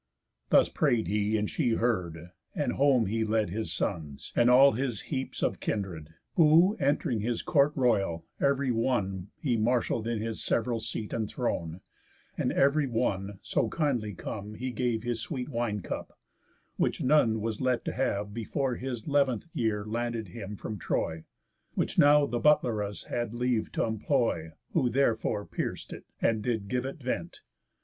Thus pray'd he, and she heard; and home he led His sons, and all his heaps of kindered. Who ent'ring his court royal, ev'ry one He marshall'd in his sev'ral seat and throne; And ev'ry one, so kindly come, he gave His sweet wine cup; which none was let to have Before his 'leventh year landed him from Troy; Which now the butleress had leave t' employ, Who therefore pierc'd it, and did give it vent.